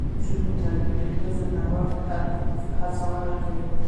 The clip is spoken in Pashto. د نجونو تعلیم د ښځو نوښت هڅونه کوي.